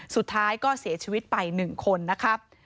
สุดท้ายก็เสียชีวิตไป๑คนนะครับ